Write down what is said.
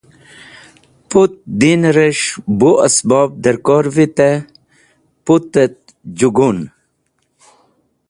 Put dinrẽs̃h bu esbob dẽrkor vitẽ, putẽt jẽgun.